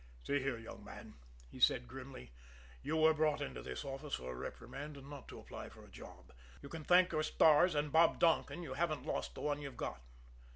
"See here, young man," he said grimly, "you were brought into this office for a reprimand and not to apply for a job! You can thank your stars and Bob Donkin you haven't lost the one you've got.